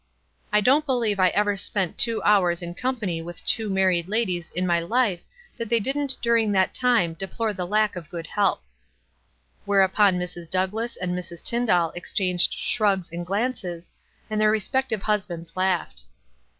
I don't believe I ever spent two hours in com pany with two married ladies in my life that they didn't during that time deplore the lack of good help." Whereupon Mrs. Douglass and Mrs. Tyndall exchanged shrugs and glances, and their respective husbands laughed.